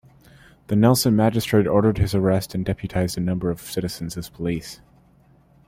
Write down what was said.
The Nelson magistrate ordered his arrest and deputised a number of citizens as police.